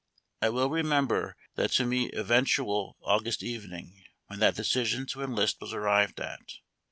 I well remember the to me eventful AuQ^ust evenincj when that decision to enlist was arrived at.